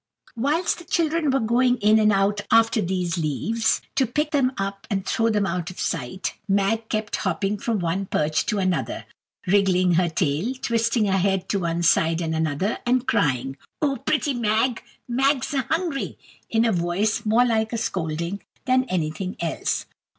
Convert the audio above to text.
Whilst the children were going in and out after these leaves, to pick them up and throw them out of sight, Mag kept hopping from one perch to another, wriggling her tail, twisting her head to one side and another, and crying, "Oh, pretty Mag!" "Mag's a hungry," in a voice more like scolding than anything else.